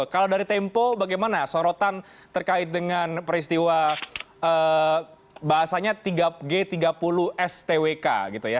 kalau dari tempo bagaimana sorotan terkait dengan peristiwa bahasanya tiga g tiga puluh stwk gitu ya